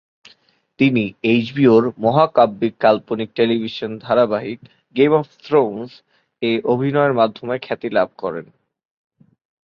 তিনি এইচবিওর মহাকাব্যিক কাল্পনিক টেলিভিশন ধারাবাহিক "গেম অব থ্রোনস"-এ অভিনয়ের মাধ্যমে খ্যাতি লাভ করেন।